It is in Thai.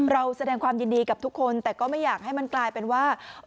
เราแสดงความยินดีกับทุกคนแต่ก็ไม่อยากให้มันกลายเป็นว่า